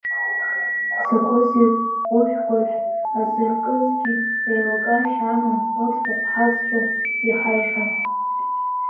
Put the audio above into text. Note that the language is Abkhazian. Изакәызеи ушә-гәашә азыркызгьы, еилкаашьа амам уӡбахә ҳазҳәо иҳаиҳәо.